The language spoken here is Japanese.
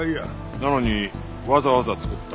なのにわざわざ作った。